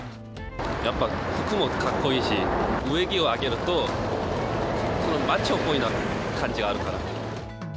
やっぱ、服もかっこいいし、上着を開けると、このマッチョっぽい感じがあるから。